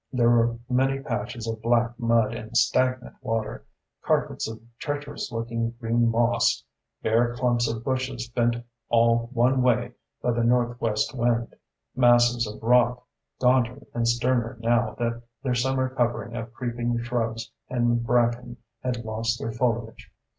There were many patches of black mud and stagnant water, carpets of treacherous looking green moss, bare clumps of bushes bent all one way by the northwest wind, masses of rock, gaunter and sterner now that their summer covering of creeping shrubs and bracken had lost their foliage.